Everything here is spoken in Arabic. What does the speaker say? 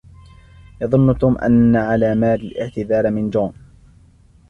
يظن توم أن على ماري الاعتذار من جون.